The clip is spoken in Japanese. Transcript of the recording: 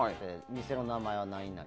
店の名前は何々。